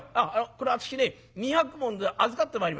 これ私二百文で預かってまいります。